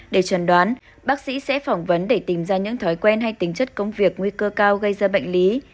để chuẩn đoán bác sĩ sẽ phỏng vấn để tìm ra những thói quen hay tính chất công việc nguy cơ cao gây ra bệnh lý